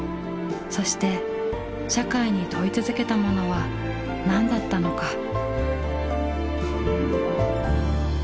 そして社会に問い続けたものは何だったのか。